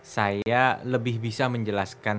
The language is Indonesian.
saya lebih bisa menjelaskan